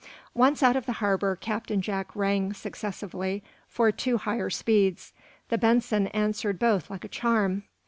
Once out of the harbor Captain Jack rang, successively, for two higher speeds. The "Benson" answered both like a charm.